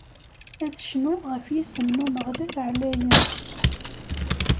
Ad cnuɣ ɣef yisem n Umeɣlal ɛlayen.